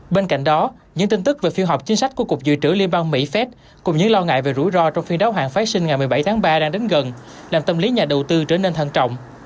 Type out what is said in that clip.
bên cạnh đó những tin tức về phiên họp chính sách của cục dự trữ liên bang mỹ phép cùng những lo ngại về rủi ro trong phiên đáo hạn phái sinh ngày một mươi bảy tháng ba đang đến gần làm tâm lý nhà đầu tư trở nên thân trọng